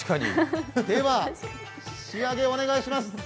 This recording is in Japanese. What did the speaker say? では、仕上げ、お願いします。